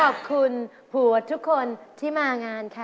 ขอบคุณผัวทุกคนที่มางานค่ะ